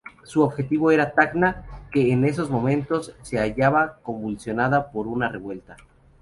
Su objetivo era Tacna, que en esos momentos se hallaba convulsionada por una revuelta.